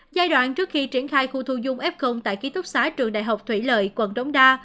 giai đoạn trước khi triển khai khu thu dung f tại ký túc xá trường đại học thủy lợi quận đống đa